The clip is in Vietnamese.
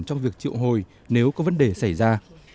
trong việc triệu hồi nếu có vấn đề xảy ra